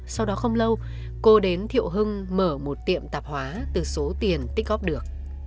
sau đó không lâu cô đến thiệu hưng mở một tiệm tạp hóa từ số tiền tích góp được